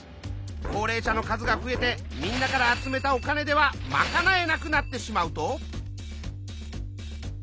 高齢者の数が増えてみんなから集めたお金ではまかなえなくなってしまうと。